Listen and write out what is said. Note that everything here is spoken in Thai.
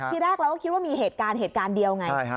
ทีแรกเราก็คิดว่ามีเหตุการณ์เหตุการณ์เดียวไง